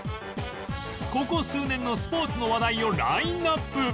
ここ数年のスポーツの話題をラインアップ！